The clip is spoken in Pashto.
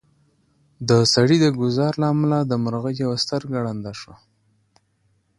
د سړي د ګوزار له امله د مرغۍ یوه سترګه ړنده شوه.